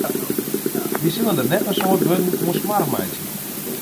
Wy sille der net in soad wurden oan smoarch meitsje.